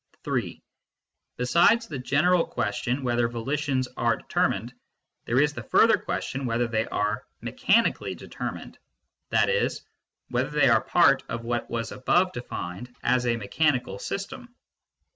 (3) Besides the general question whether volitions are determined, there is the further question whether they are mechanically determined, i.e. whether they are part of what was above defined as a mechanical system.